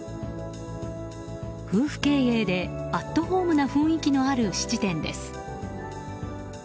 夫婦経営で、アットホームな雰囲気のある質店です。